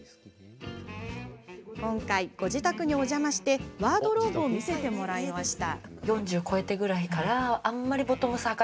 今回、ご自宅にお邪魔してワードローブを見せてもらいました。